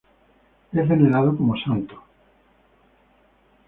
Es venerado como santo en la iglesia católica.